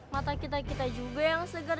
mata kita kita juga yang segar